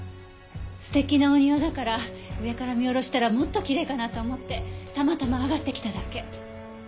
素敵なお庭だから上から見下ろしたらもっときれいかなと思ってたまたま上がってきただけ。